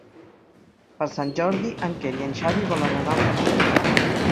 Per Sant Jordi en Quer i en Xavi volen anar a Altafulla.